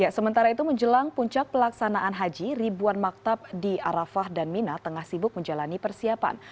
sementara itu menjelang puncak pelaksanaan haji ribuan maktab di arafah dan mina tengah sibuk menjalani persiapan